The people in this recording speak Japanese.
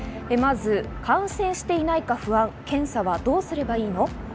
まず感染していないか不安、検査はどうすればいいの？